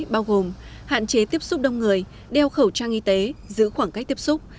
bao gồm hạn chế tiếp xúc đông người đeo khẩu trang y tế giữ khoảng cách tiếp xúc